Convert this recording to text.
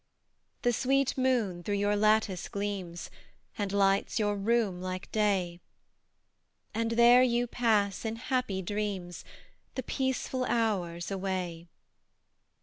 The sweet moon through your lattice gleams, And lights your room like day; And there you pass, in happy dreams, The peaceful hours away!